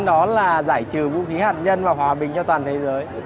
đó là giải trừ vũ khí hạt nhân và hòa bình cho toàn thế giới